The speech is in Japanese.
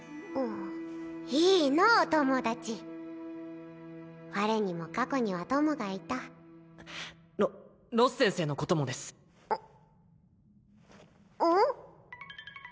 いいのう友達我にも過去には友がいたロロス先生のこともですうん？